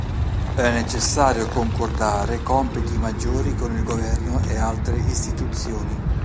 È necessario concordare compiti maggiori con il governo e altre istituzioni.